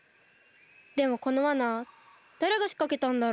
でもこのわなだれがしかけたんだろう？